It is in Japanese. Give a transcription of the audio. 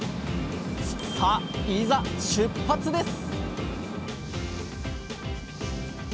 さあいざ出発です！